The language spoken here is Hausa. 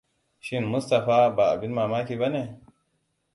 Shin Mustapha ba abin mamaki bane?